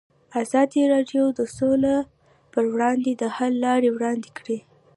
ازادي راډیو د سوله پر وړاندې د حل لارې وړاندې کړي.